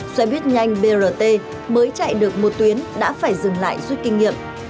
xoay buýt nhanh brt mới chạy được một tuyến đã phải dừng lại suy kinh nghiệm